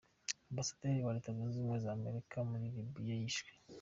Ambasaderi wa Leta Zunze Ubumwe z’Amerika muri Libiya yishwe